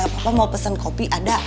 papa mau pesen kopi ada